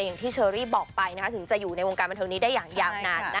อย่างที่เชอรี่บอกไปถึงจะอยู่ในวงการบันเทิงนี้ได้อย่างยาวนาน